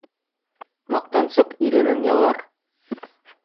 Маҡтансыҡ иренен ялар